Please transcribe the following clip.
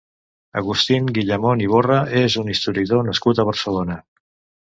Agustín Guillamón Iborra és un historiador nascut a Barcelona.